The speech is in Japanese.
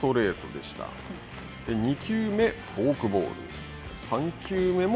２球目、フォークボール。